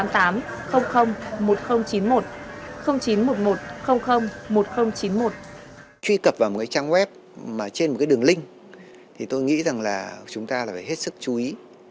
truy cập vào một trang web trên một đường link tôi nghĩ chúng ta phải hết sức chú ý